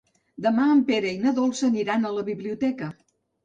Demà en Pere i na Dolça aniran a la biblioteca.